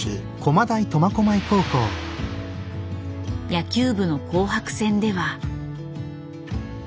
野球部の紅白戦では。